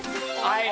はい